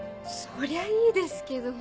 そりゃいいですけど。